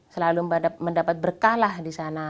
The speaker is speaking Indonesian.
selalu mendapat berkah lah di sana